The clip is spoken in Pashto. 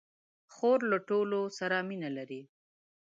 خور له ټوکو سره مینه لري.